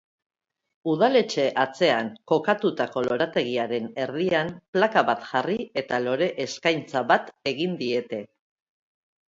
Udaletxe atzean kokatutako lorategiaren erdian plaka bat jarri eta lore-eskaintza bat egin diete.